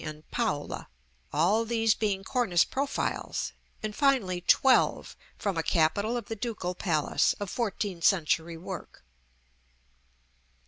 and Paola, all these being cornice profiles; and, finally, 12 from a capital of the Ducal Palace, of fourteen century work.